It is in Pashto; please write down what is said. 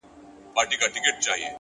هره هڅه د بریا خوا ته حرکت دی.!